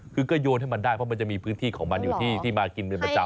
คือก็โยนให้มันได้เพราะมันจะมีพื้นที่ของมันอยู่ที่มากินเป็นประจำ